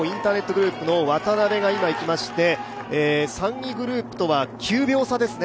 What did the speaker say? ＧＭＯインターネットグループの渡邉が今行きまして３位グループとは９秒差ですね。